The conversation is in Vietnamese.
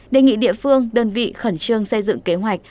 đề nghị địa phương đơn vị khẩn trương xây dựng kế hoạch